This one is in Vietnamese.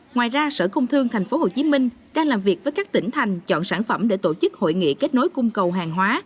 ngoài ra sở công thương tp hcm đang làm việc với các tỉnh thành chọn sản phẩm để tổ chức hội nghị kết nối cung cầu hàng hóa